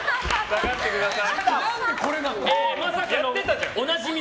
下がってください。